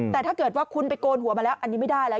แต่ถ้าเกิดว่าคุณไปโกนหัวมาแล้วอันนี้ไม่ได้แล้ว